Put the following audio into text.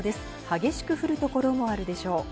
激しく降る所もあるでしょう。